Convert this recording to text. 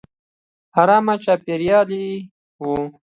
ارامه چاپېریال یې و.